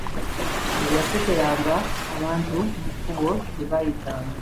Yasekereranga abantu mu kkubo gye baayitanga.